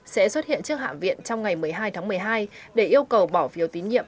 sẽ xuất hiện trước hạ viện trong ngày một mươi hai tháng một mươi hai để yêu cầu bỏ phiếu tín nhiệm